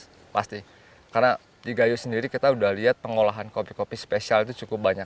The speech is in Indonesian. itu pasti karena di gayo sendiri kita udah lihat pengolahan kopi kopi spesial itu cukup banyak